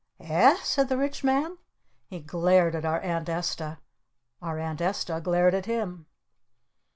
"Eh?" said the Rich Man. He glared at our Aunt Esta. Our Aunt Esta glared at him.